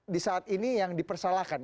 di saat ini yang dipersalahkan